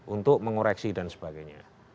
untuk mengoreksi dan sebagainya